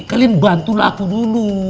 kalian bantulah aku dulu